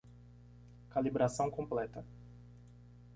Calibração completa.